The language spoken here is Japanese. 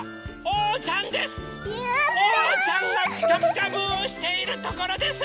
おうちゃんが「ピカピカブ！」をしているところです。